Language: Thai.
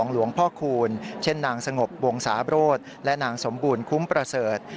หลวงพ่อคูณเช่นนางสงบวงศาโรธและนางสมบูรณ์คุ้มประเสริฐ